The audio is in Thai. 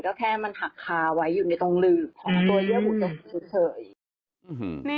ก็แค่มันหักคาไว้อยู่ในตรงหลืบของตัวเยื่อบุจกเฉย